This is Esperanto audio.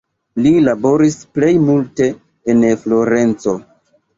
Li laboris plej multe en Florenco.